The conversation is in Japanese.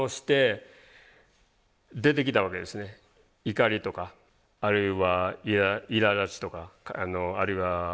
怒りとかあるいはいらだちとかあるいはうつですよね。